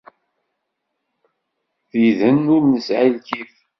Tiden ur nesɛi lkif.